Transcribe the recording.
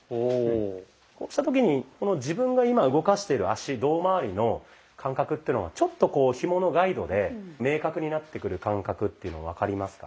こうした時に自分が今動かしてる足胴まわりの感覚っていうのがちょっとひものガイドで明確になってくる感覚っていうの分かりますか？